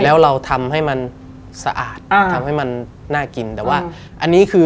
แล้วเราทำให้มันสะอาดอ่าทำให้มันน่ากินแต่ว่าอันนี้คือ